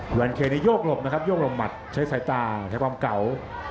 แวนเคนี่โยกหลบนะครับโยกลมหมัดใช้สายตาใช้ความเก่า